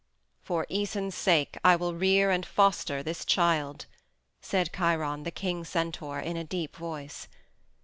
"For Æson's sake I will rear and foster this child," said Chiron the king centaur in a deep voice.